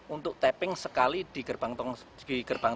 untuk tapping sekali di gerbang